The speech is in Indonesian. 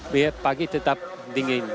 biar pagi tetap dingin